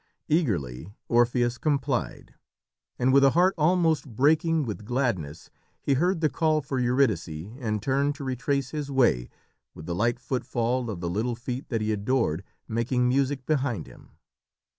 Eagerly Orpheus complied, and with a heart almost breaking with gladness he heard the call for Eurydice and turned to retrace his way, with the light footfall of the little feet that he adored making music behind him.